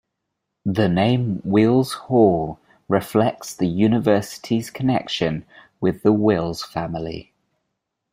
The name Wills Hall reflects the university's connection with the Wills family.